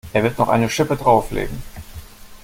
Er wird noch eine Schippe drauflegen.